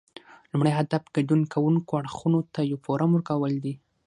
لومړی هدف ګډون کوونکو اړخونو ته یو فورم ورکول دي